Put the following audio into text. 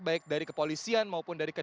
baik dari kepolisian maupun dari kejaksaan